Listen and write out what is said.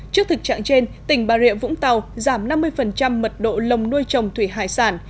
trước thực trạng trên tỉnh bà rịa vũng tàu giảm năm mươi mật độ lồng nuôi trồng thủy hải sản